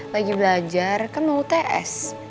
lagi belajar kan mau uts